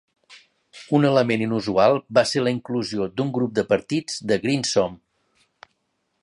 Un element inusual va ser la inclusió d"un grup de partits de greensome.